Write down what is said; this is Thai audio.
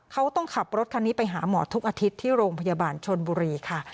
เขาต้องขับรถคันนี้ไปหาหมอทุกอาทิตย์ที่โรงพยาบาลชนบุรีค่ะ